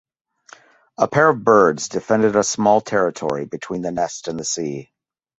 A pair of birds defend a small territory between the nest and the sea.